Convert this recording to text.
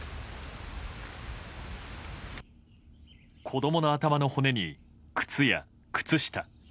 子供の頭の骨に靴や靴下。